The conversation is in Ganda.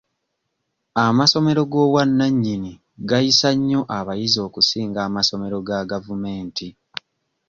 Amasomero g'obwannanyini gayisa nnyo abayizi okusinga amasomero ga gavumenti.